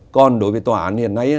còn đối với tòa án hiện nay